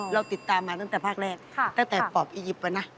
เราติดตามมาตั้งแต่ภาคแรกตั้งแต่ปอบอียิปต์นะ